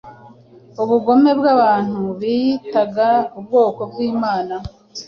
ubugome bw’abantu biyitaga ubwoko bw’Imana.